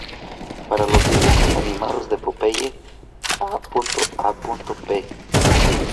Para los dibujos animados de Popeye, a.a.p.